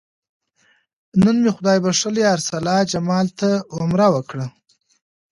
نن مې خدای بښلي ارسلا جمال ته عمره وکړه.